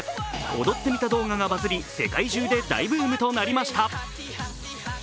踊ってみた動画がバズり、世界中で大ブームとなりました。